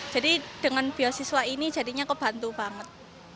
jadi dengan beasiswa ini jadinya kebantu banget